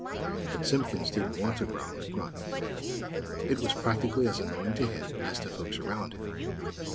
But Simpkins didn't want to growl and grunt. It was practically as annoying to him as to folks around him.